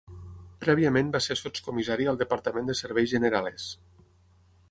Prèviament va ser sotscomissari al departament de serveis generales.